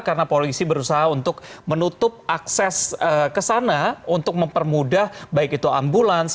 karena polisi berusaha untuk menutup akses ke sana untuk mempermudah baik itu ambulans